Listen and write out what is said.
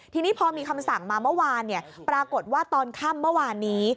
ทีนี้พอมีคำสั่งมาเมื่อวานปรากฏว่าตอนค่ำเมื่อวานนี้